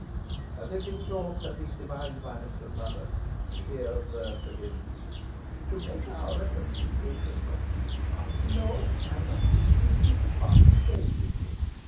As if his thoughts had been divined by Mistress Nutter, she here observed to him, "To make our reconciliation complete, Master Nowell, I must entreat you to pass the day with me.